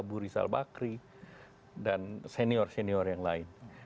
abu rizal bakri dan senior senior yang lain